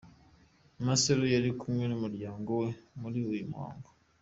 Marcelo yari kumwe n’umuryango we muri uyu muhango.